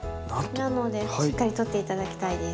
なのでしっかり取って頂きたいです。